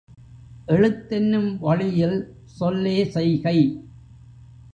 எழுத்தென்னும் வழியில் சொல்லே செய்கை.